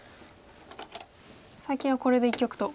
最近はこれで一局と。